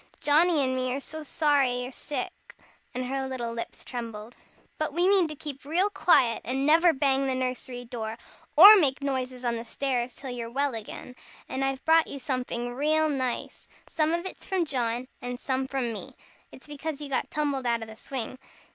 Johnnie and me are so sorry you're sick," and her little lips trembled. "But we mean to keep real quiet, and never bang the nursery door, or make noises on the stairs, till you're well again. And I've brought you somefing real nice. Some of it's from John, and some from me. It's because you got tumbled out of the swing.